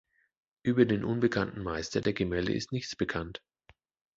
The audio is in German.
Über den unbekannten Meister der Gemälde ist nichts bekannt.